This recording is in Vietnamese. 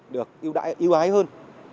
được yêu ái hơn